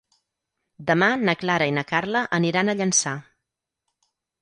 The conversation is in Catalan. Demà na Clara i na Carla aniran a Llançà.